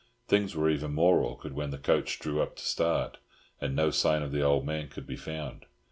Things were even more awkward when the coach drew up to start, and no sign of the old man could be found.